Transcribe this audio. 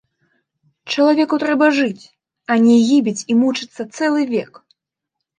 Чалавеку трэба жыць, а не гібець і мучыцца цэлы век!